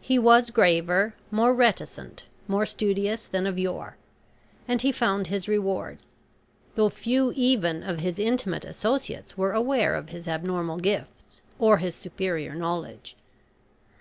He was graver, more reticent, more studious than of yore, and he found his reward, though few even of his intimate associates were aware of his abnormal gifts, or his superior knowledge.